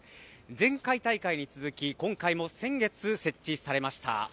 前回大会に続き今回も先月、設置されました。